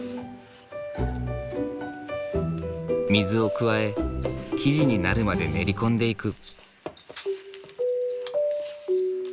水を加え生地になるまで練り込んでいく。